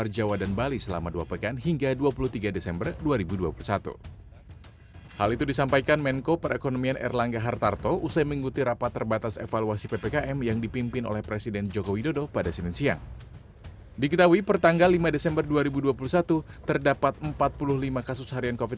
jumlahnya empat puluh lima kasus